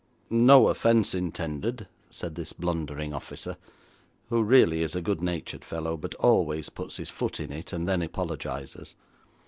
'No offence intended,' said this blundering officer, who really is a good natured fellow, but always puts his foot in it, and then apologises.